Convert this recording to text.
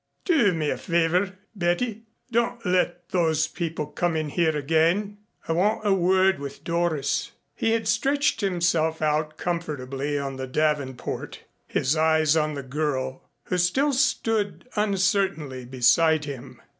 Do me a favor, Betty. Don't let those people come in here again. I want a word with Doris." He had stretched himself out comfortably on the Davenport, his eyes on the girl, who still stood uncertainly beside him.